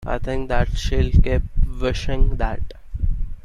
I think that she'll keep wishing that.